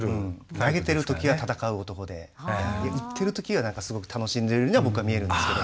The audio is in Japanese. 投げてるときは戦う男で打っているときはすごく楽しんでいるように僕は見えるんですけど。